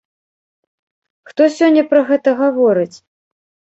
Хто сёння пра гэта гаворыць?